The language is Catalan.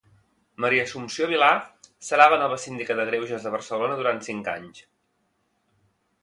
Maria Assumpció Vilà serà la nova síndica de greuges de Barcelona durant cinc anys.